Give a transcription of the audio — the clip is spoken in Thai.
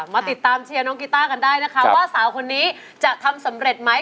มาติดตามเชียร์น้องกีต้ากันได้นะคะว่าสาวคนนี้จะทำสำเร็จไหม